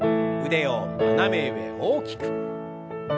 腕を斜め上大きく。